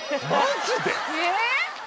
えっ！